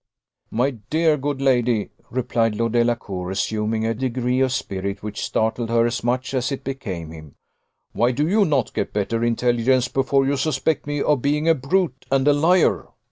"My dear good lady," replied Lord Delacour, assuming a degree of spirit which startled her as much as it became him, "why do you not get better intelligence before you suspect me of being a brute and a liar?